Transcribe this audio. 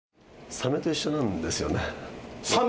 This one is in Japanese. サメと一緒なんですよね。